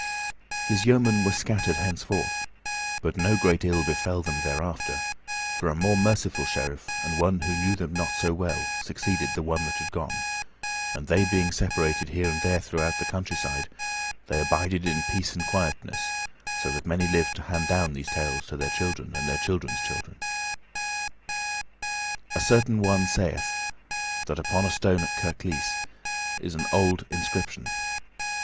His yeomen were scattered henceforth, but no great ill befell them thereafter, for a more merciful sheriff and one who knew them not so well succeeding the one that had gone, and they being separated here and there throughout the countryside, they abided in peace and quietness, so that many lived to hand down these tales to their children and their children's children. A certain one sayeth that upon a stone at Kirklees is an old inscription.